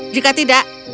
jika tidak itu